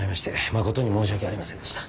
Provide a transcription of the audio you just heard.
まことに申し訳ありませんでした。